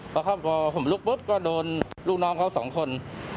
พอฟ้าผมลุกโดดลูกน้องเค้า๒คน